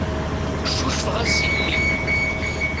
Cucfeɣ-as i mmi.